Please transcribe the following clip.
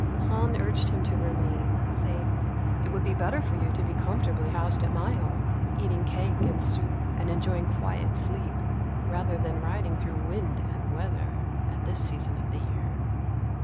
Han urged him to remain, saying, "It would be better for you to be comfortably housed at my home, eating cake and soup and enjoying quiet sleep rather than riding through wind and weather at this season of the year."